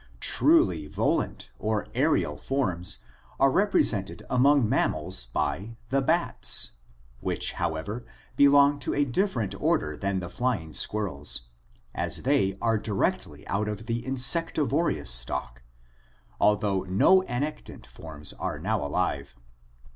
Truly volant or aerial forms are represented among mam 286 ORGANIC EVOLUTION mals by the bats, which, however, belong to a different order than the flying squirrels, as they are directly out of the insectivorous stock, although no annectant forms are now alive.